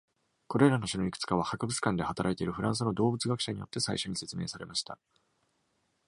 これらの種のいくつかは、博物館で働いているフランスの動物学者によって最初に説明されました。